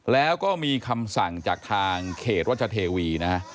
แล้วก็มีคำสั่งจากทางเขตรัชเทวีนะฮะ